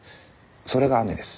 それが雨です。